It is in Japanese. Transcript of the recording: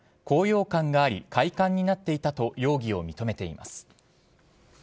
高揚感があり快感になっていたと容疑を認めています。